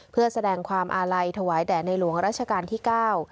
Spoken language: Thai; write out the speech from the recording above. เพื่อแสดงความอาลัยถวายแด่ในหลวงราชการที่เก้า